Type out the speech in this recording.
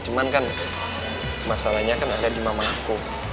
cuman kan masalahnya kan ada di mama aku